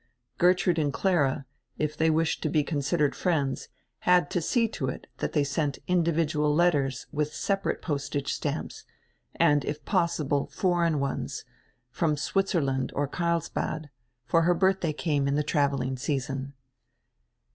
Gertrude and Clara, if they wished to be considered friends, had to see to it that they sent indi vidual letters with separate postage stamps, and, if possi ble, foreign ones, from Switzerland or Carlsbad, for her birthday came in the traveling season.